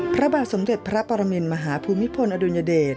พระบาสมเด็จพระปารเมรมมหาภวุมิพลอดุญเดช